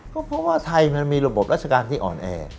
ก็เพราะว่าไทยมันมีระบบราชการที่อ่อนแอ